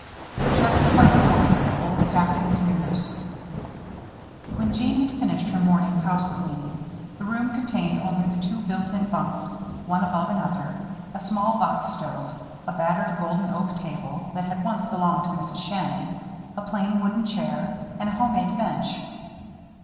CHAPTER XXI OLD CAPTAIN'S NEWS When Jeanne had finished her morning's housecleaning, the room contained only the two built in bunks, one above another, a small box stove, a battered golden oak table, that had once belonged to Mrs. Shannon, a plain wooden chair, and a home made bench.